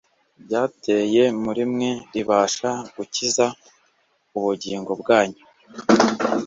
ryatewe muri mwe ribasha gukiza ubugingo bwanyu